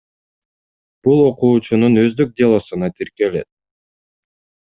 Бул окуучунун өздүк делосуна тиркелет.